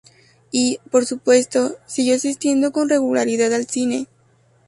Y, por supuesto, siguió asistiendo con regularidad al cine.